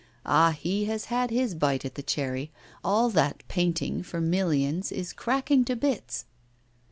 Ah! he has had his bite at the cherry; all that painting for millions is cracking to bits!